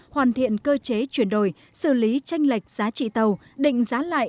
hoàn thiện cơ chế chuyển đổi xử lý tranh lệch giá trị tàu định giá lại